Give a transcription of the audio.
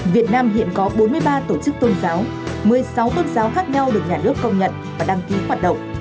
việt nam hiện có bốn mươi ba tổ chức tôn giáo một mươi sáu tôn giáo khác nhau được nhà nước công nhận và đăng ký hoạt động